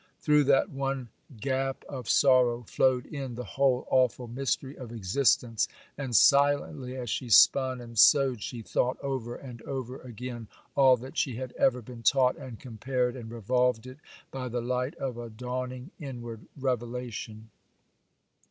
Through that one gap of sorrow flowed in the whole awful mystery of existence, and silently, as she spun and sewed, she thought over and over again all that she had ever been taught, and compared and revolved it by the light of a dawning inward revelation.